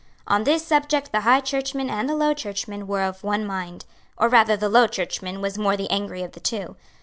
On this subject the High Churchman and the Low Churchman were of one mind, or rather the Low Churchman was the more angry of the two.